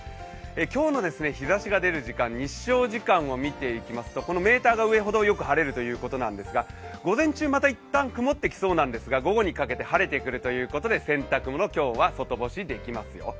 今日の日ざしが出る時間、日照時間を見ていきますと、このメーターが上ほどよく晴れるということですが午前中また一旦曇ってきそうなんですが、晴れてくるということで洗濯物、今日は外干しできますよ。